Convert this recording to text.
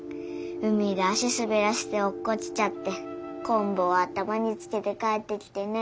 海で足すべらせておっこちちゃってこんぶを頭につけて帰ってきてね。